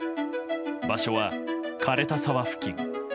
場所は枯れた沢付近。